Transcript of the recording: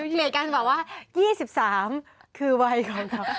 เหมียกันบอกว่า๒๓คือวัยของครับ